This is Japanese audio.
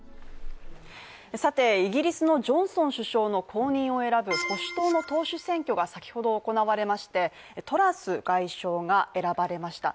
さて、イギリスのジョンソン首相の後任を選ぶ保守党の党首選挙が先ほど行われましてトラス外相が選ばれました。